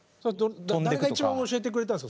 誰が一番教えてくれたんですか？